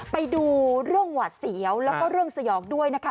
ไปดูเรื่องหวาดเสียวแล้วก็เรื่องสยองด้วยนะคะ